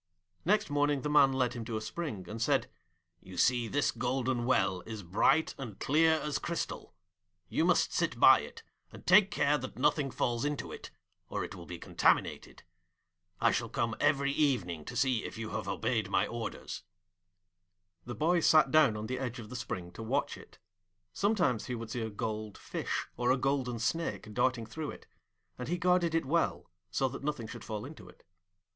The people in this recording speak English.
Next morning the Man led him to a spring, and said, 'You see this golden well is bright and clear as crystal? You must sit by it, and take care that nothing falls into it, or it will be contaminated. I shall come every evening to see if you have obeyed my orders.' The boy sat down on the edge of the spring to watch it; sometimes he would see a gold fish or a golden snake darting through it, and he guarded it well, so that nothing should fall into it.